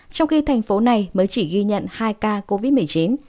trong khi thành phố này mới chỉ ghi nhận hai ca covid một mươi chín